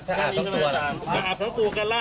ถ้าอาบ๒ตัวล่ะ